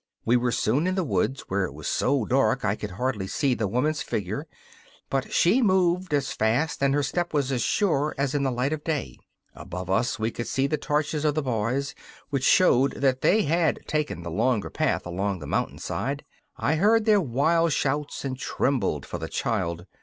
We were soon in the woods, where it was so dark I could hardly see the woman's figure; but she moved as fast and her step was as sure as in the light of day. Above us we could see the torches of the boys, which showed that they had taken the longer path along the mountain side. I heard their wild shouts, and trembled for the child.